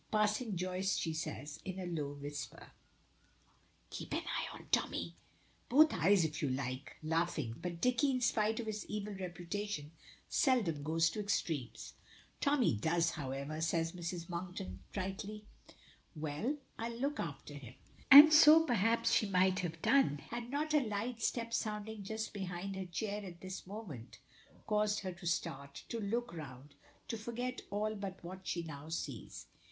Passing Joyce, she says in a low whisper: "Keep an eye on Tommy." "Both eyes if you like," laughing. "But Dicky, in spite of his evil reputation, seldom goes to extremes." "Tommy does, however," says Mrs. Monkton tritely. "Well I'll look after him." And so perhaps she might have done, had not a light step sounding just behind her chair at this moment caused her to start to look round to forget all but what she now sees.